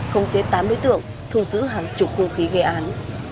không chế tám đối tượng thu giữ hàng chục hung khí gây án